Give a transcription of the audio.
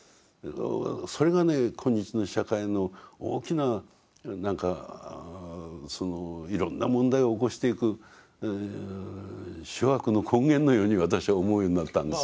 それがね今日の社会の大きな何かそのいろんな問題を起こしていく諸悪の根源のように私は思うようになったんですよ。